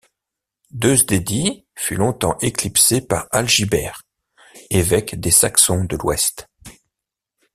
Deusdedit fut longtemps éclipsé par Agilbert, évêque des Saxons de l'Ouest.